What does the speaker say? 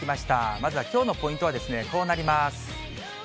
まずはきょうのポイントはこうなります。